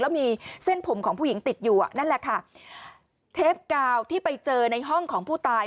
แล้วมีเส้นผมของผู้หญิงติดอยู่อ่ะนั่นแหละค่ะเทปกาวที่ไปเจอในห้องของผู้ตาย